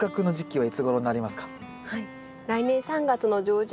はい。